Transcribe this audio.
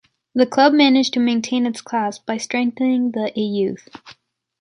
The club managed to maintain its class by strengthening the A-youth.